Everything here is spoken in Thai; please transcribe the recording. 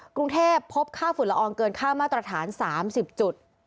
กรุงเทพพบค่าฝุ่นละอองเกินค่ามาตรฐาน๓๐จุด